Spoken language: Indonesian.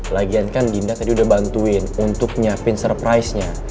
lagian kan dinda tadi udah bantuin untuk nyiapin surprise nya